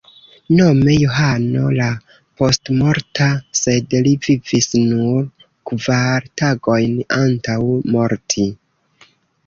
Nome Johano la Postmorta, sed li vivis nur kvar tagojn antaŭ morti.